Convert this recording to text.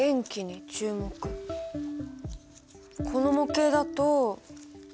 この模型だと。